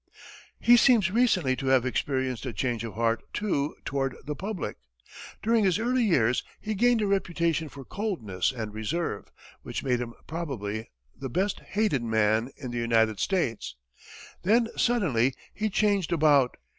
He seems recently to have experienced a change of heart, too, toward the public. During his early years, he gained a reputation for coldness and reserve, which made him probably the best hated man in the United States. Then, suddenly, he changed about.